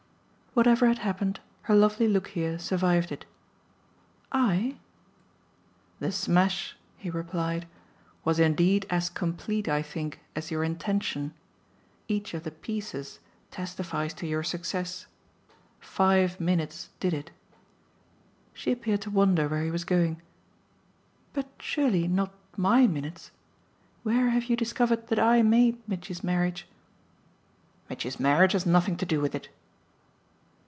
Whatever had happened her lovely look here survived it. "I?" "The smash," he replied, "was indeed as complete, I think, as your intention. Each of the 'pieces' testifies to your success. Five minutes did it." She appeared to wonder where he was going. "But surely not MY minutes. Where have you discovered that I made Mitchy's marriage?" "Mitchy's marriage has nothing to do with it."